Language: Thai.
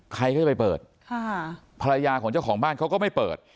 ใครก็จะไปเปิดค่ะภรรยาของเจ้าของบ้านเขาก็ไม่เปิด